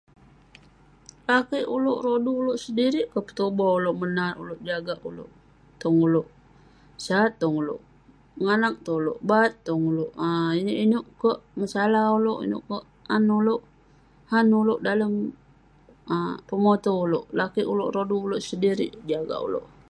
Lakeik uleuk, rodu uleuk sedirik keh petuboh uleuk menat uleuk jagak uleuk tong uleuk sat, tong uleuk menganaq, tong uleuk bat, tong uleuk um ineuk-ineuk kek masalah uleuk, ineuk kek aneh uleuk. Han uleuk dalem um pemoteu uleuk, lakeik uleuk, rodu uleuk sedirik jagak uleuk.